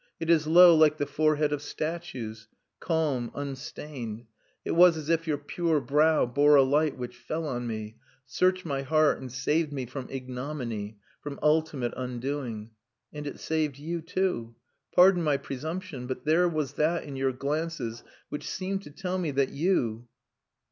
It is low like the forehead of statues calm, unstained. It was as if your pure brow bore a light which fell on me, searched my heart and saved me from ignominy, from ultimate undoing. And it saved you too. Pardon my presumption. But there was that in your glances which seemed to tell me that you....